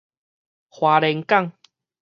花蓮港